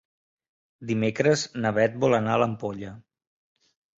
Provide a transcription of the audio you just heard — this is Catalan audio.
Dimecres na Bet vol anar a l'Ampolla.